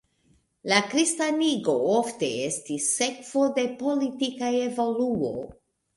La kristanigo ofte estis sekvo de politika evoluo.